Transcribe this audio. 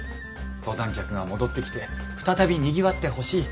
登山客が戻ってきて再びにぎわってほしい。